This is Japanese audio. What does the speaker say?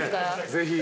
ぜひ。